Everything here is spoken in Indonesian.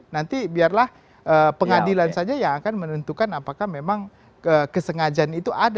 nanti biarlah pengadilan saja yang akan menentukan apakah memang kesengajaan itu ada